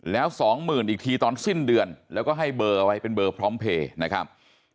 แล้วสองหมื่นอีกทีตอนสิ้นเดือนแล้วก็ให้เบอร์ไว้เป็นเบอร์พร้อมเพลย์นะครับ